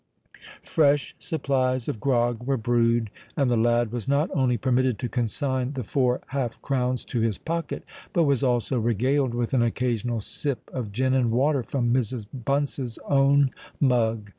Fresh supplies of grog were brewed; and the lad was not only permitted to consign the four half crowns to his pocket, but was also regaled with an occasional sip of gin and water from Mrs. Bunce's own mug.